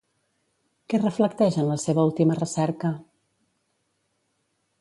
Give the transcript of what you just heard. Què reflecteix en la seva última recerca?